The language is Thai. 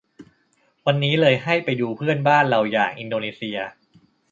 วันนี้เลยให้ไปดูเพื่อนบ้านเราอย่างอินโดนีเซีย